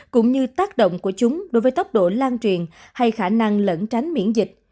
cũng như tác động của chúng đối với tốc độ lan truyền hay khả năng lẫn tránh miễn dịch